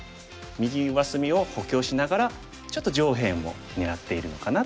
右上隅を補強しながらちょっと上辺も狙っているのかなという手。